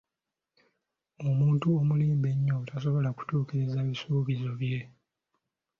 Omuntu omulimba ennyo tasobola kutuukiriza bisuubizo bye.